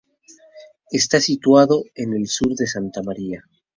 Está situado en el sur de Santa Maria.